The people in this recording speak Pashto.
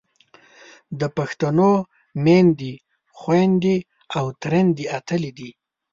د پښتنو میندې، خویندې او ترېیندې اتلې دي.